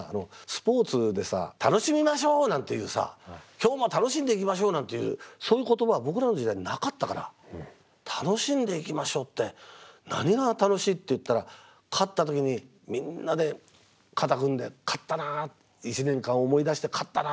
「今日も楽しんでいきましょう！」なんていうそういう言葉は僕らの時代なかったから楽しんでいきましょうって何が楽しいっていったら勝った時にみんなで肩組んで勝ったな一年間思い出して勝ったな